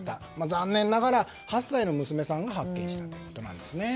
残念ながら８歳の娘さんが発見したということです。